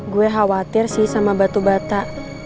gue khawatir sih sama batu bata